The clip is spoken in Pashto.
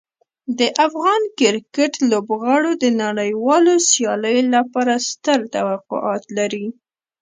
د افغان کرکټ لوبغاړو د نړیوالو سیالیو لپاره ستر توقعات لري.